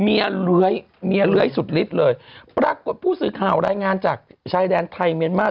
เนี้ยเนี้ยเค้าเนี้ยเลยเหร้ยสุดฤทธิ์เลยปรากฏผู้ซื้อข้าวรายงานจากชายแดนไทยเมียร์มาร์